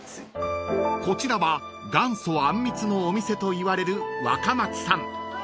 ［こちらは元祖あんみつのお店といわれる若松さん］